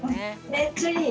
めっちゃいい。